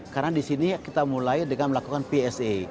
karena di sini kita mulai dengan melakukan psa